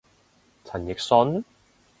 陳奕迅？